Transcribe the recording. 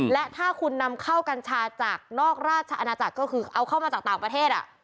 และถ้าคุณนำเข้ากัญชาจากนอกราชอาณาจักรก็คือเอาเข้ามาจากต่างประเทศ